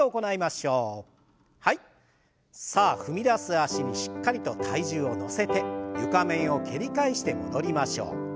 脚にしっかりと体重を乗せて床面を蹴り返して戻りましょう。